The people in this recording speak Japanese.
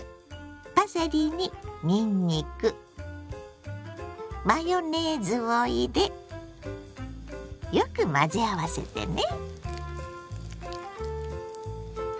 パセリににんにくマヨネーズを入れよく混ぜ合わせてね。